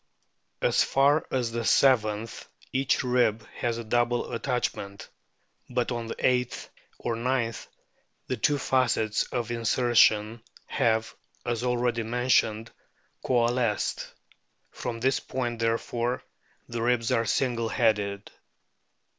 As far as the seventh each rib has a double attachment, but on the eighth; or ninth the two facets of insertion have, as already mentioned, coalesced ; from this point, therefore, the ribs are single headed.